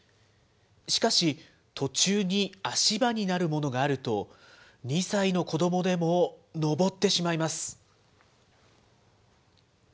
しかし、途中に足場になるものがあると、２歳の子どもでも登ってしまいます。